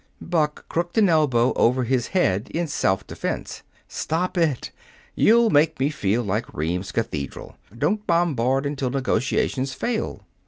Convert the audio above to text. Buck crooked an elbow over his head in self defense. "Stop it! You make me feel like Rheims cathedral. Don't bombard until negotiations fail."